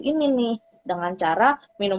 ini nih dengan cara minum